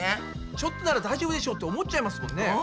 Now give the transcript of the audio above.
ちょっとなら大丈夫でしょって思っちゃいますもんね。